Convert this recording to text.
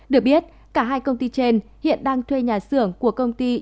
được biết cả hai công ty trên hiện đang thuê nhà xưởng của công ty